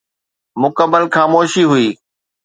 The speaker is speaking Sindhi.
مڪمل خاموشي هئي.